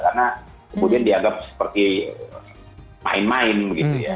karena kemudian dianggap seperti main main gitu ya